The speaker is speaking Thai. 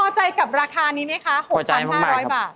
พอใจกับราคานี้ไหมคะ๖๕๐๐บาท